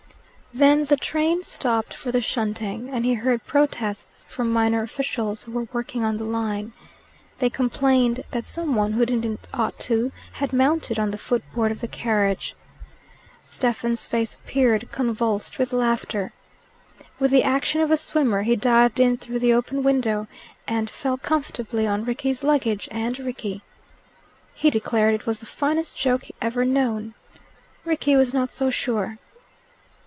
Then the train stopped for the shunting, and he heard protests from minor officials who were working on the line. They complained that some one who didn't ought to, had mounted on the footboard of the carriage. Stephen's face appeared, convulsed with laughter. With the action of a swimmer he dived in through the open window, and fell comfortably on Rickie's luggage and Rickie. He declared it was the finest joke ever known. Rickie was not so sure.